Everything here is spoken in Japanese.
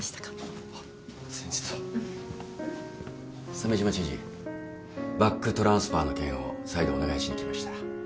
鮫島知事バックトランスファーの件を再度お願いしに来ました。